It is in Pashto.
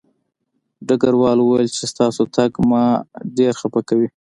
ډګروال وویل چې ستاسو تګ ما ډېر خپه کوي